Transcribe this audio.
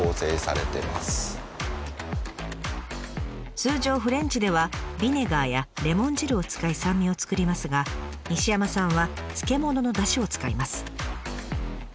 通常フレンチではビネガーやレモン汁を使い酸味を作りますが西山さんは漬物のダシを使います。